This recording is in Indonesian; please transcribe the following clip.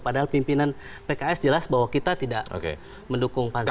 padahal pimpinan pks jelas bahwa kita tidak mendukung pansus